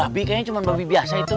babi kayaknya cuma babi biasa itu